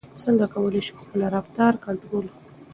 څنګه کولای شو خپل رفتار کنټرول کړو؟